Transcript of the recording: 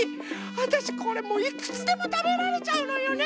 わたしこれもういくつでもたべられちゃうのよね。